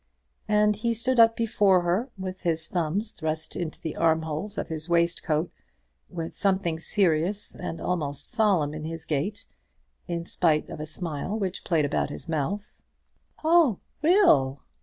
And he stood up before her, with his thumbs thrust into the arm holes of his waistcoat, with something serious and almost solemn in his gait, in spite of a smile which played about his mouth. "Oh, Will!"